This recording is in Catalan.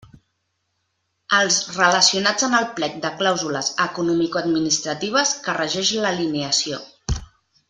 Els relacionats en el plec de clàusules economicoadministratives que regeix l'alienació.